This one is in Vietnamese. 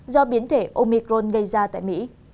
do biến thể omicron gây ra tại mỹ